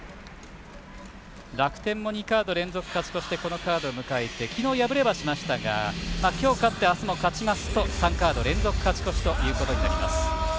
楽天も２カード連続勝ち越しでこのカード迎えて昨日敗れはしましたが今日、勝って、明日も勝ちますと３カード連続勝ち越しということになります。